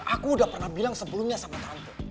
aku udah pernah bilang sebelumnya sama tante